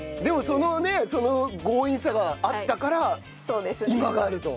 その強引さがあったから今があると。